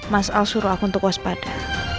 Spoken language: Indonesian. mas al suruh aku untuk waspada